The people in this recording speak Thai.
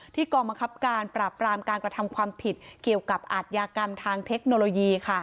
กองบังคับการปราบรามการกระทำความผิดเกี่ยวกับอาทยากรรมทางเทคโนโลยี